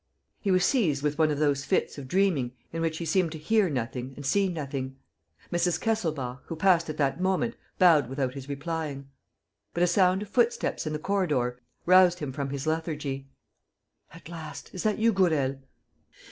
..." He was seized with one of those fits of dreaming in which he seemed to hear nothing and see nothing. Mrs. Kesselbach, who passed at that moment, bowed without his replying. But a sound of footsteps in the corridor roused him from his lethargy. "At last, is that you, Gourel?"